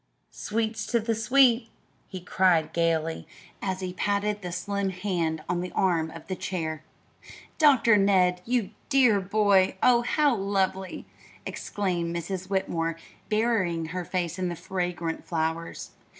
"Sweets to the sweet!" he cried gayly, as he patted the slim hand on the arm of the chair. "Doctor Ned you dear boy! Oh, how lovely!" exclaimed Mrs. Whitmore, burying her face in the fragrant flowers.